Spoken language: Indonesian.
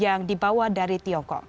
yang pertama adalah di tiongkok